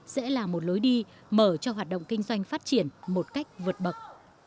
để kinh doanh phát triển một cách vượt bậc